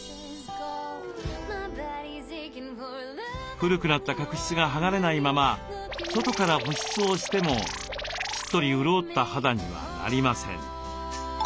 古くなった角質が剥がれないまま外から保湿をしてもしっとり潤った肌にはなりません。